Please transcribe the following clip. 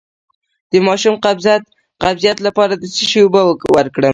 د ماشوم د قبضیت لپاره د څه شي اوبه ورکړم؟